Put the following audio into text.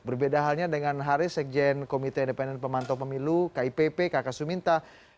berbeda halnya dengan haris sekjen komite independen pemantau pemilu kipp kakak suminta